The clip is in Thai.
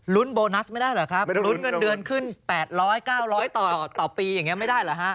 ลุ้นโบนัสไม่ได้หรือครับลุ้นเงินเดือนขึ้น๘๐๐๙๐๐ต่อปีไม่ได้หรือครับ